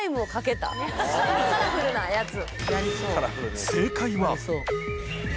カラフルなやつ。